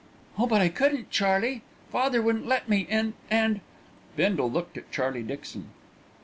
"Oh! but I couldn't, Charlie. Father wouldn't let me, and and " Bindle looked at Charlie Dixon.